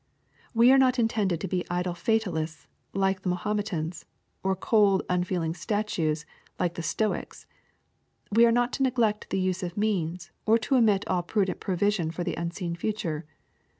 We are not intended to be idle fatalists, like the Ma hometans, or cold, unfeeling statues, like the Stoics. We are not to neglect the use of means, or to omit all prudent provision for the unseen future.